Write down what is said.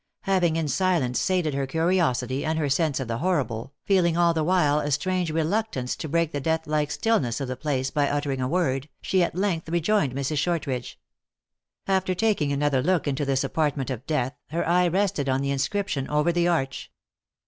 Having in silence sated her curiosity and her sense of the horrible, feeling all the while a strange reluctance to break the deathlike stillness of the place by uttering a word, she at length rejoined Mrs. Short ridge. After taking another look into this apartment of death, her eye rested on the inscription over the arch.